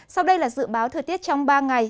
sau đây là dự báo thời tiết trong ba ngày